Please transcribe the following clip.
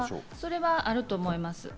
それはあると思います。